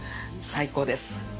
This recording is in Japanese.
最高です！